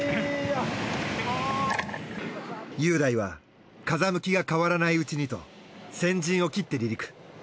雄大は風向きが変わらないうちにと先陣を切って離陸。